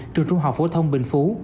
trường trung học phổ thông bình phú